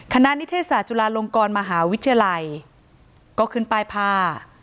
คณะนิเทศจุฬาลงกรมหาวิทยาลัยก็ขึ้นป้ายภาพ